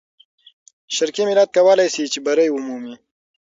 شرقي ملت کولای سي چې بری ومومي.